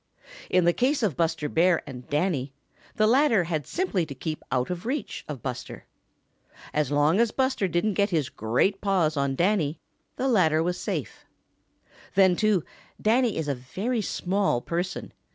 In the case of Buster Bear and Danny, the latter had simply to keep out of reach of Buster. As long as Buster didn't get his great paws on Danny, the latter was safe. Then, too, Danny is a very small person.